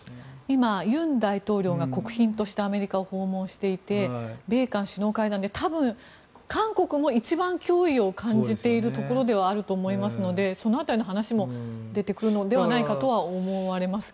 今、尹大統領が国賓としてアメリカを訪問していて米韓首脳会談で多分、韓国も一番脅威を感じているところではあると思いますのでその辺りの話も出てくるのではないかと思われますが。